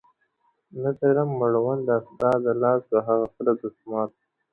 نه تړم مړوند دا ستا د لاس په هغه سره دسمال.!